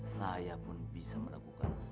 saya pun bisa melakukan